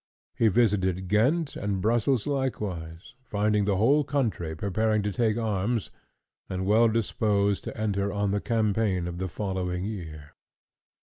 He visited Ghent and Brussels likewise, finding the whole country preparing to take arms, and well disposed to enter on the campaign of the following year.